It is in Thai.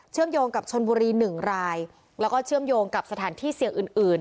เชื่อมโยงกับชนบุรี๑รายแล้วก็เชื่อมโยงกับสถานที่เสียงอื่น